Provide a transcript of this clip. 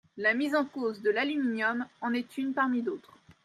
La mise en cause de l’aluminium en est une parmi d’autres.